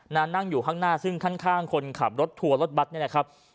นั่งอยู่ข้างหน้าซึ่งข้างคนขับรถทัวร์รถบัตรเนี่ยนะครับ